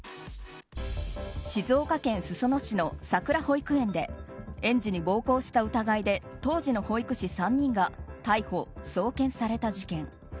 静岡県裾野市のさくら保育園で園児に暴行した疑いで当時の保育士３人が逮捕・送検された事件。